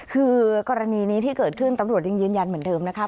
คือกรณีนี้ที่เกิดขึ้นตำรวจยังยืนยันเหมือนเดิมนะคะ